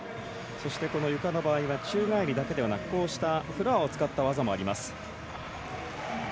ゆかの場合は宙返りだけではなくフロアを使った技もあります。